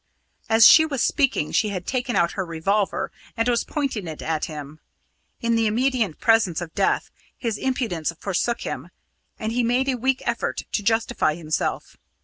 As she was speaking, she had taken out her revolver and was pointing it at him. In the immediate presence of death his impudence forsook him, and he made a weak effort to justify himself.